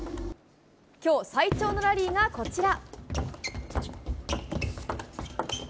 きょう、最長のラリーがこちら。